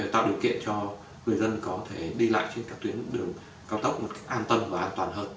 tạo điều kiện cho người dân có thể đi lại trên các tuyến đường cao tốc một cách an tâm và an toàn hơn